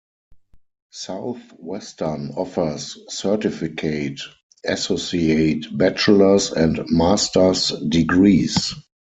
Southwestern offers certificate, associate, bachelor's, and master's degrees.